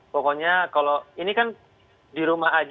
pokoknya kalau ini kan di rumah aja